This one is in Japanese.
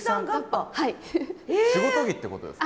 仕事着ってことですか？